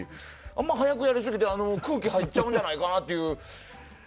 あまり速くやりすぎて空気入っちゃうんやないかなっていう。